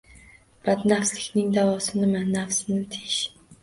Badnafslikning davosi nima? – Nafsni tiyish.